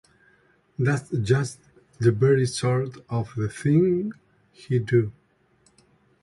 That’s just the very sort of thing he’d do.